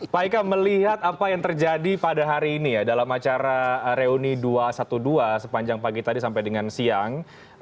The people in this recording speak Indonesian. pak ika melihat apa yang terjadi pada hari ini ya dalam acara reuni dua ratus dua belas sepanjang pagi tadi sampai dengan siang